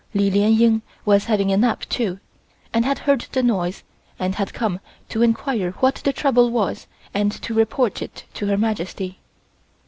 Li Lien Ying was having a nap, too, and had heard the noise and had come to enquire what the trouble was and to report it to Her Majesty.